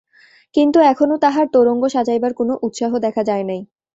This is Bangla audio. কিন্তু এখনো তাহার তোরঙ্গ সাজাইবার কোনো উৎসাহ দেখা যায় নাই।